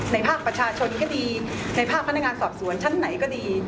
ภาคประชาชนก็ดีในภาคพนักงานสอบสวนชั้นไหนก็ดี